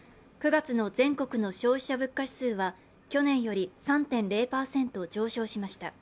９月の全国の消費者物価指数は去年より３．０％上昇しました。